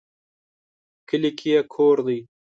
کلي کې یې کور دی